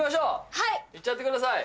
いっちゃってください。